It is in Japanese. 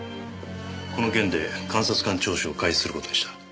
この件で監察官聴取を開始する事にした。